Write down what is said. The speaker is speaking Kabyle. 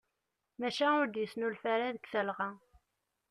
Maca ur d-yesnulfa ara deg talɣa.